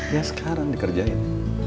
ya sekarang dikerjain